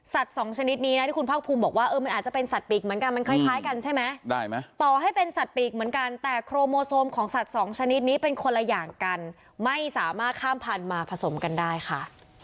สัตว์สองชนิดนี้เป็นคนละอย่างกันไม่สามารถข้ามพันมาผสมกันได้ค่ะ